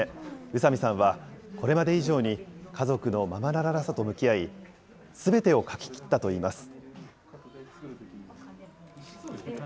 宇佐見さんは、これまで以上に家族のままならなさと向き合い、すべてを書き切ったといいます。